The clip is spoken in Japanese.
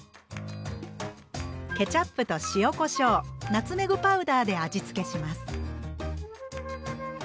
ケチャップと塩こしょうナツメグパウダーで味付けします。